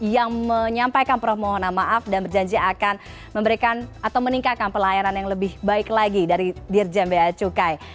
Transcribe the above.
yang menyampaikan permohonan maaf dan berjanji akan memberikan atau meningkatkan pelayanan yang lebih baik lagi dari dirjen bea cukai